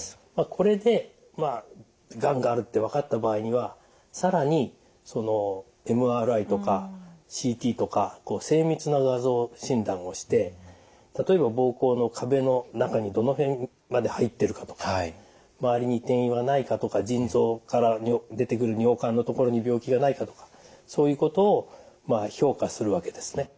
これでがんがあるって分かった場合には更にＭＲＩとかＣＴとか精密な画像診断をして例えば膀胱の壁の中にどの辺まで入ってるかとか周りに転移はないかとか腎臓から出てくる尿管の所に病気がないかとかそういうことを評価するわけですね。